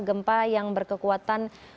gempa yang berkekuatan